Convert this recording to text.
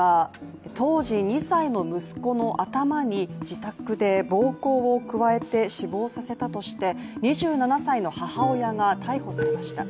当時２歳の息子の頭に自宅で暴行を加えて死亡させたとして２７歳の母親が逮捕されました。